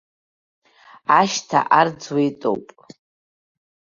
Ашьҭа арӡуеитоуп.